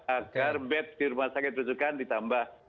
agar bed di rumah sakit rujukan ditambah